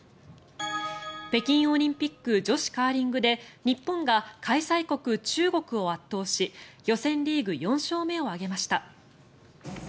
北京オリンピック女子カーリングで日本が開催国・中国を圧倒し予選リーグ４勝目を挙げました。